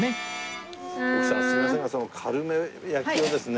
すいませんがそのカルメ焼きをですね。